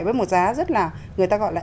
với một giá rất là người ta gọi là